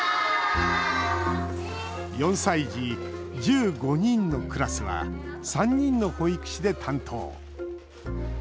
４歳児、１５人のクラスは３人の保育士で担当。